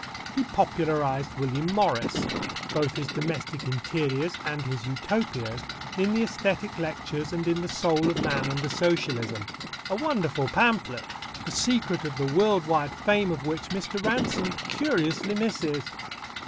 He popularized William Morris, both his domestic interiors and his Utopias, in the æsthetic lectures and in The Soul of Man under Socialism a wonderful pamphlet, the secret of the world wide fame of which Mr. Ransome curiously misses.